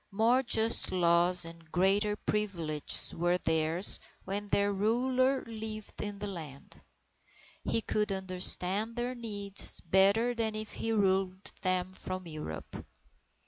More just laws and greater privileges were theirs, when their ruler lived in the land. He could understand their needs better than if he ruled them from Europe.